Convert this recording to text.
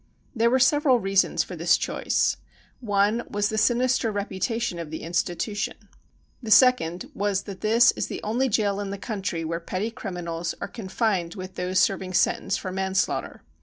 There were several reasons for this choice. One was the sinister reputation of the institution. The second was that this is the only jail in the country whefe petty criminals are confined with those serv ing sentence for manslaughter.